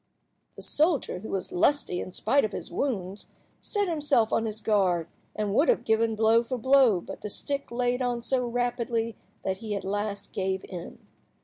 The soldier, who was lusty in spite of his wounds, set himself on his guard, and would have given blow for blow, but the stick laid on so rapidly that he at last gave in.